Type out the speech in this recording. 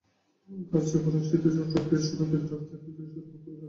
তার চেয়ে বরং শীতে ঠোঁট সুরক্ষিত রাখতে এখন থেকেই শুরু হোক পরিচর্যা।